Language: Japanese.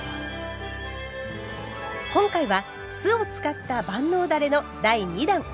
今回は酢を使った万能だれの第２弾。